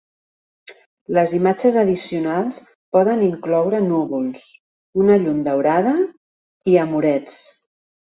Les imatges addicionals poden incloure núvols, una llum daurada i amorets.